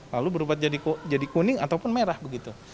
lalu berubah jadi kuning ataupun merah begitu